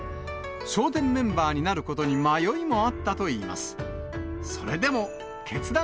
笑点メンバーになることに迷いもあったといいます。